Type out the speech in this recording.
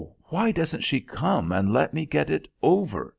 why doesn't she come and let me get it over?"